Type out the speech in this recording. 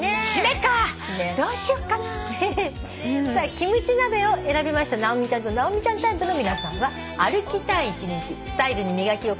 キムチ鍋を選びました直美ちゃんと直美ちゃんタイプの皆さんは。